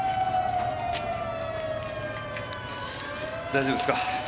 大丈夫ですか？